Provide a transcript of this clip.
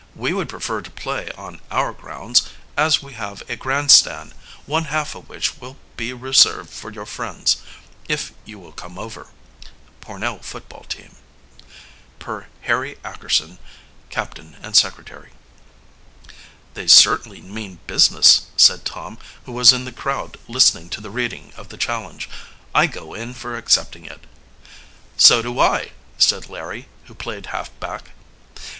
We would prefer to play on our grounds, as we have a grandstand, one half of which will be reserved for your friends, if you will come over. "PORNELL FOOTBALL TEAM, "Per Harry Ackerson, Capt. and Secy." "They certainly mean business," said Tom, who was in the crowd, listening to the reading of the challenge. "I go in for accepting it." "So do I," said Larry, who played halfback.